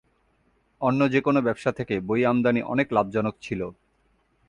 অন্য যেকোনো ব্যবসা থেকে বই আমদানী অনেক লাভজনক ছিল।